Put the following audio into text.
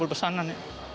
tujuh puluh pesanan ya